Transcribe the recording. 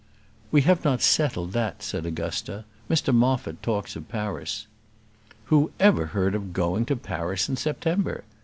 "We have not settled that," said Augusta. "Mr Moffat talks of Paris." "Who ever heard of going to Paris in September?"